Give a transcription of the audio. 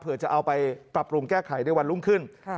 เพื่อจะเอาไปปรับปรุงแก้ไขในวันรุ่งขึ้น